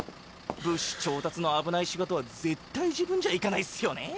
物資調達の危ない仕事は絶対自分じゃ行かないっすよねぇ。